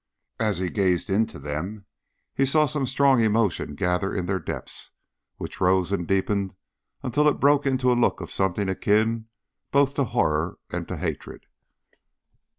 As he gazed into them he saw some strong emotion gather in their depths, which rose and deepened until it broke into a look of something akin both to horror and to hatred.